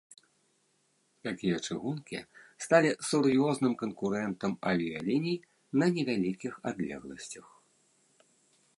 Такія чыгункі сталі сур'ёзным канкурэнтам авіяліній на невялікіх адлегласцях.